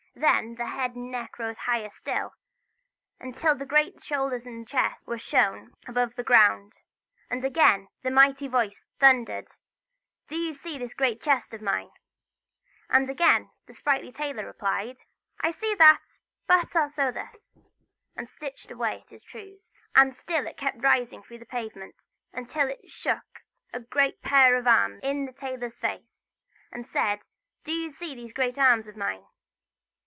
Then the head and neck rose higher still, until the great shoulders and chest were shown above the ground. And again the mighty voice thundered: "Do you see this great chest of mine?" And again the sprightly tailor replied: "I see that, but I'll sew this!" and stitched away at his trews. And still it kept rising through the pavement, until it shook a great pair of arms in the tailor's face, and said: "Do you see these great arms of mine?"